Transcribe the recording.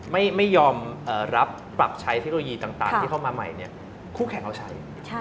ไม่ยอมรับปรับใช้เทคโนโลยีต่างที่เข้ามาใหม่เนี่ยคู่แข่งเราใช้